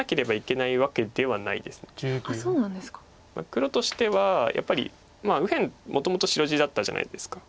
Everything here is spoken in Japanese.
黒としてはやっぱり右辺もともと白地だったじゃないですか。